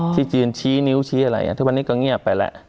ที่จีนชี้นิ้วชี้อะไรทุกวันนี้ก็เงียบไปแล้ว